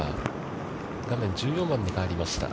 画面１４番にかわりました。